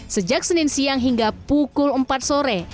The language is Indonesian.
sejak senin siang hingga pukul empat sore